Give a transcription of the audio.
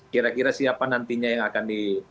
kira kira siapa nantinya yang akan di